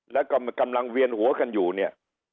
แล้วก็กำลังเวียนหัวกันอยู่เนี่ย